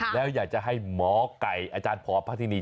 แล้วอยากจะให้หมอไก่อาจารย์พอพระธินี